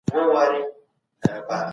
استبداد بربادي راوړي.